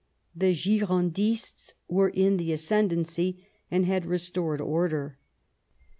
The Girondists were in the ascendency and had restored order.